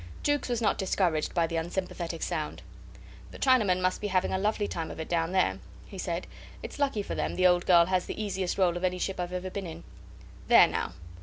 Jukes was not discouraged by the unsympathetic sound. "The Chinamen must be having a lovely time of it down there," he said. "It's lucky for them the old girl has the easiest roll of any ship I've ever been in. There now!